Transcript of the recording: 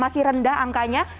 masih rendah angkanya